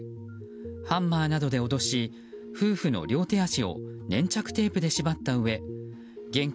ハンマーなどで脅し夫婦の両手足を粘着テープで縛ったうえ現金